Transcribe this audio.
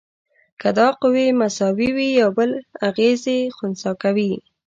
که دا قوې مساوي وي یو بل اغیزې خنثی کوي.